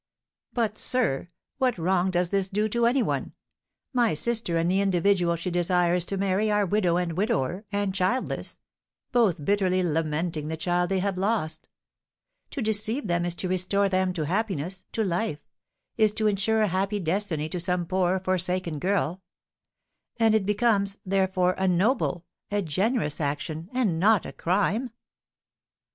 "But, sir, what wrong does this do to any one? My sister and the individual she desires to marry are widow and widower, and childless, both bitterly lamenting the child they have lost. To deceive them is to restore them to happiness, to life, is to ensure a happy destiny to some poor, forsaken girl; and it becomes, therefore, a noble, a generous action, and not a crime!"